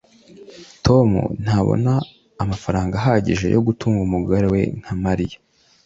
tom ntabwo abona amafaranga ahagije yo gutunga umugore nka mariya